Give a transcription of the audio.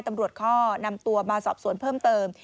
ตำรวจก็นำตัวมาสอบสวนเพิ่มเติม